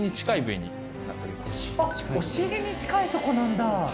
あっお尻に近いとこなんだ。